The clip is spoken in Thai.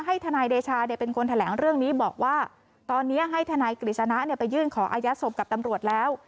ทนายเดชาเป็นคนแถลงเรื่องนี้บอกว่าตอนนี้ให้ทนายกฤษณะไปยื่นขออายัดศพกับตำรวจแล้ว